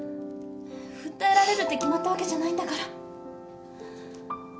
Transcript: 訴えられるって決まったわけじゃないんだから。